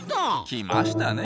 来ましたね